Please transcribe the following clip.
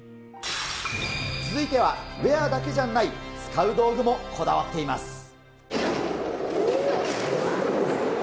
続いては、ウエアだけじゃない、使う道具もこだわっています。